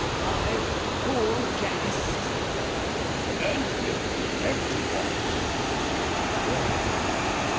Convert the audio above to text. "Five full casks?" "And fifty empty ones." "Good."